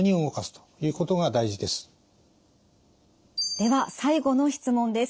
では最後の質問です。